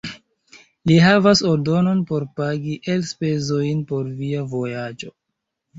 Li havas ordonon por pagi elspezojn por via vojaĝo.